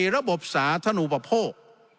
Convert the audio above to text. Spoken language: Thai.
ระบบสาธารณูปโภค